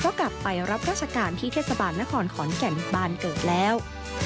ก็กลับไปรับราชการที่เทศบาลนครขอนแก่นบานเกิดแล้ว